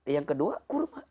yang kedua kurma